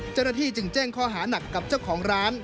เจ้าหน้าที่จึงแจ้งข้อหานักกับเจ้าของร้าน